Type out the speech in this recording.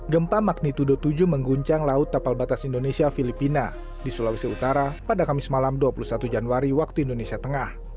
gempa magnitudo tujuh mengguncang laut tapal batas indonesia filipina di sulawesi utara pada kamis malam dua puluh satu januari waktu indonesia tengah